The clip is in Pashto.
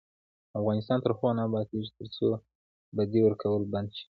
افغانستان تر هغو نه ابادیږي، ترڅو بدی ورکول بند نشي.